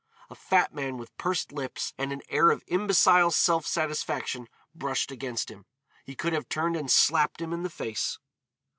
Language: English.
A fat man with pursed lips and an air of imbecile self satisfaction brushed against him. He could have turned and slapped him in the face.